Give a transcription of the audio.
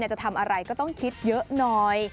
จะทำอะไรก็ต้องคิดเยอะหน่อย